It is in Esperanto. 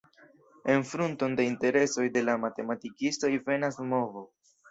En frunton de interesoj de la matematikistoj venas movo.